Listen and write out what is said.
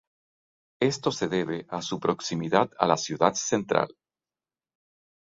Esto se debe a su proximidad a la ciudad central.